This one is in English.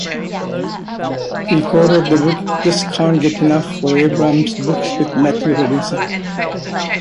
He co-wrote the book "Just Can't Get Enough" for Abrams Books with Matthew Robinson.